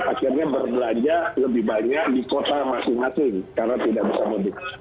akhirnya berbelanja lebih banyak di kota masing masing karena tidak bisa mudik